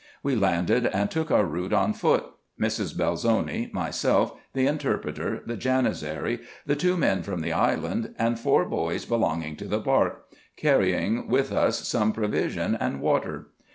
We landed, and took our route on foot ; Mrs. Belzoni, myself, the interpreter, the Janizary, the two men from the island, and four boys belonging to the bark ; carrying with us some provision and water.